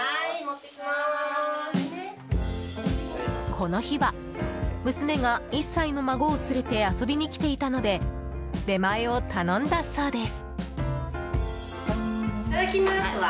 この日は娘が１歳の孫を連れて遊びに来ていたので出前を頼んだそうです。